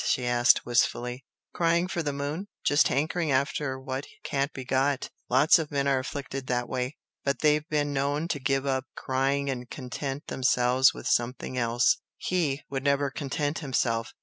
she asked, wistfully. "Crying for the moon? Just hankering after what can't be got. Lots of men are afflicted that way. But they've been known to give up crying and content themselves with something else." "HE would never content himself!"